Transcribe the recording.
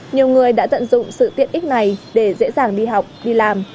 nhiều người đã tận dụng sự tiện ích này để dễ dàng đi học đi làm